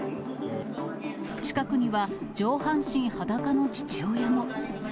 近くには上半身裸の父親も。